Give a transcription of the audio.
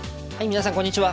皆さんこんにちは。